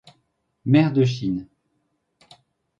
Mer de Chine.